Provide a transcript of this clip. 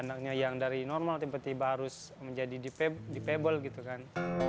anaknya yang dari normal tiba tiba harus menjadi dipebel gitu kan